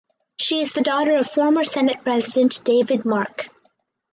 She is the daughter of former Senate President David Mark.